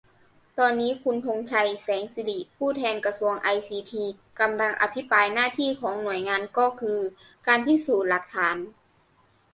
ตอนนี้ คุณธงชัย แสงสิริ ผู้แทนกระทรวงไอซีที กำลังอภิปราย หน้าที่ของหน่วยก็คือ การพิสูจน์หลักฐาน